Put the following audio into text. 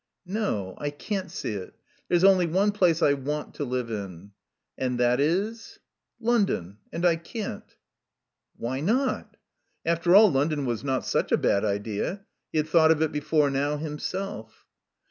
"No. I can't see it. There's only one place I want to live in." "And that is ?" "London. And I can't." "Why not?" After all, London was not such a bad idea. He had thought of it before now himself.